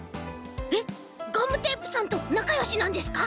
えっガムテープさんとなかよしなんですか？